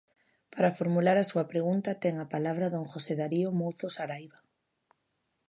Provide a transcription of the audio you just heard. Para formular a súa pregunta, ten a palabra don José Darío Mouzo Saraiba.